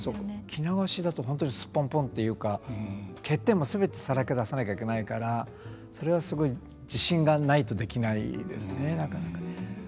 着流しだと本当にすっぽんぽんっていうか欠点もすべてさらけ出さなきゃいけないからそれはすごい自信がないとできないですねなかなかね。